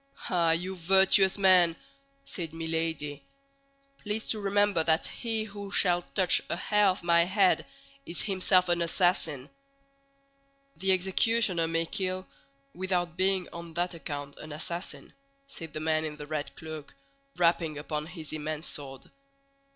"Ah, you virtuous men!" said Milady; "please to remember that he who shall touch a hair of my head is himself an assassin." "The executioner may kill, without being on that account an assassin," said the man in the red cloak, rapping upon his immense sword.